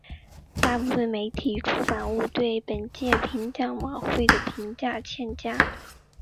大部分媒体出版物对本届颁奖晚会的评价欠佳。